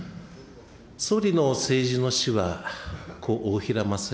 総理の政治の師は故・大平正芳